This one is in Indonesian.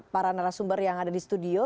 para narasumber yang ada di studio